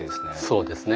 そうですね